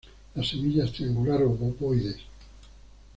Las semillas triangular obovoides.